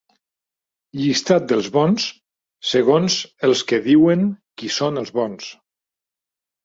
Llistat dels bons, segons els que diuen qui són els bons.